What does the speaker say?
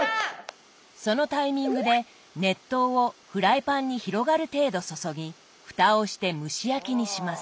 そのタイミングで熱湯をフライパンに広がる程度注ぎふたをして蒸し焼きにします。